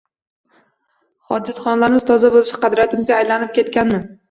Hojatxonalarimiz toza bo‘lishi qadriyatimizga aylanib ketmaganmi?